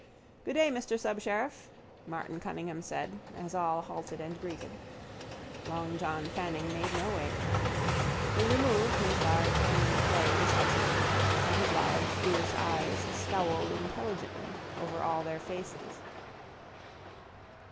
—Good day, Mr Subsheriff, Martin Cunningham said, as all halted and greeted. Long John Fanning made no way for them. He removed his large Henry Clay decisively and his large fierce eyes scowled intelligently over all their faces.